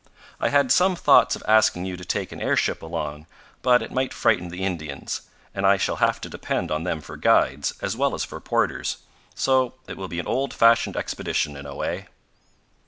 I had some thoughts of asking you to take an airship along, but it might frighten the Indians, and I shall have to depend on them for guides, as well as for porters. So it will be an old fashioned expedition, in a way."